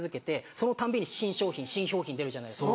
そのたんびに新商品新商品出るじゃないですか。